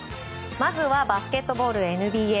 まずはバスケットボールＮＢＡ。